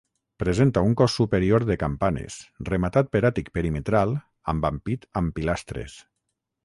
Presenta un cos superior de campanes, rematat per àtic perimetral amb ampit amb pilastres.